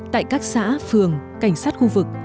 tại các xã phường cảnh sát khu vực